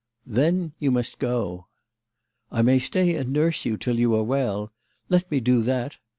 " Then you must go." " I may stay and nurse you till you are well. Let me do that.